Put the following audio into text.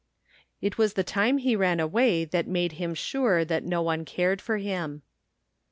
It was the time he ran away that made him sure that no one cared for him.